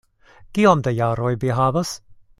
Kiom da jaroj vi havas?